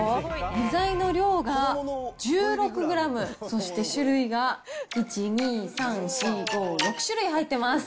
具材の量が１６グラム、そして種類が１、２、３、４、５、６種類入ってます。